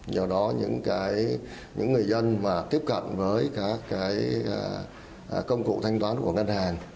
do đó những người dân mà tiếp cận với các cái công cụ thanh toán của ngân hàng